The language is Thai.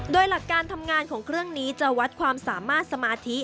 โดยหลักการทำงานของเครื่องนี้จะวัดความสามารถสมาธิ